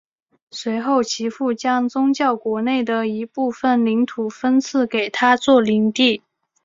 随后其父将教宗国内的一部份领土分赐给他做领地。